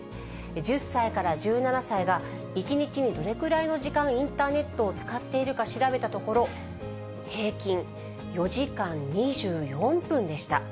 １０歳から１７歳が、１日にどれくらいの時間インターネットを使っているか調べたところ、平均４時間２４分でした。